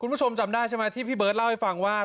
คุณผู้ชมจำได้ใช่ไหมที่พี่เบิร์ตเล่าให้ฟังว่า